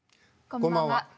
こんばんは。